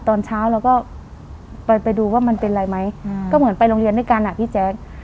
ตอนเช้าเราก็ไปดูว่ามันเป็นอะไรไหมก็เหมือนไปโรงเรียนด้วยกันอ่ะพี่แจ๊ค